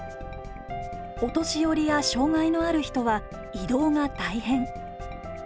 お年寄りや障害のある人は移動が大変。